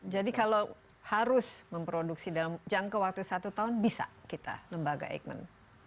jadi kalau harus memproduksi dalam jangka waktu satu tahun bisa kita lembaga eijkman